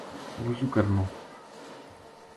وضو کرنو